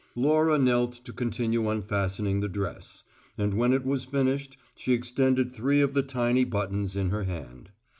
Laura knelt to continue unfastening the dress; and when it was finished she extended three of the tiny buttons in her hand.